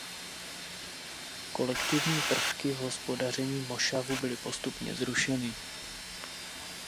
Kolektivní prvky v hospodaření mošavu byly postupně zrušeny.